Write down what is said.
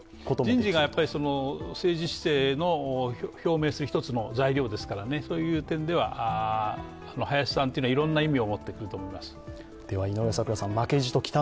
人事が政治姿勢の表明する一つの材料ですからそういう点では、林さんというのはいろいろな意味を持ってくると思います。